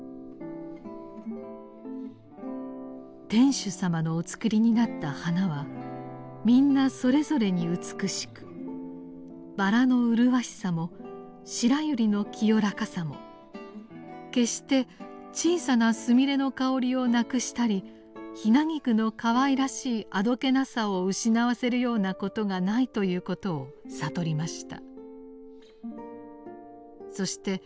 「天主様のお創りになった花はみんなそれぞれに美しく薔薇の麗しさも白百合の清らかさも決して小さな菫の薫りをなくしたり雛菊の可愛らしいあどけなさを失わせるようなことがないということを悟りました」。